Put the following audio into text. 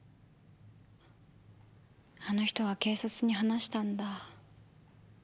あの人は警察に話したんだ。